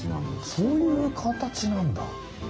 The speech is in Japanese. そういうかたちなんだ。